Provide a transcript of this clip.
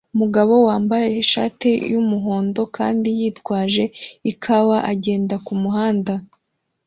umugabo wambaye ishati yumuhondo kandi yitwaje ikawa agenda kumuhanda